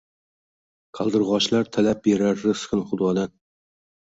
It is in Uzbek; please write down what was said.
qaldirgʼochlar tilab berar rizqin Xudodan.